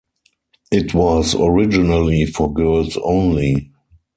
It was originally for girls only.